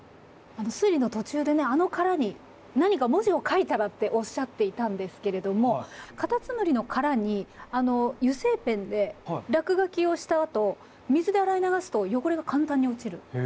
推理の途中でねあの殻に何か文字を書いたらっておっしゃっていたんですけれどもカタツムリの殻に油性ペンで落書きをしたあと水で洗い流すと汚れが簡単に落ちるんだそうです。